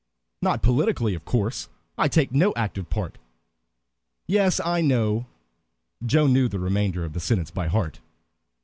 "Not politically, of course. I take no active part" "Yes, I know." Joe knew the remainder of the sentence by heart.